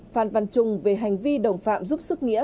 phan văn trung về hành vi đồng phạm giúp sức nghĩa